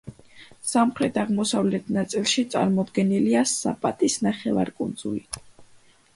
სამხრეთ-აღმოსავლეთ ნაწილში წარმოდგენილია საპატის ნახევარკუნძული.